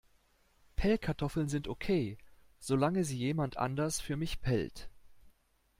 Pellkartoffeln sind okay, solange sie jemand anders für mich pellt.